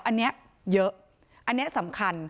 อันนี้เยอะอันนี้สำคัญ